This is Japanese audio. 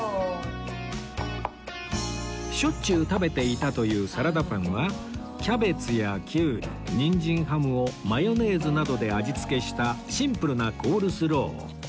しょっちゅう食べていたというサラダパンはキャベツやキュウリニンジンハムをマヨネーズなどで味付けしたシンプルなコールスローを